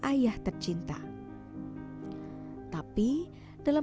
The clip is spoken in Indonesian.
ayah tercinta tapi dalam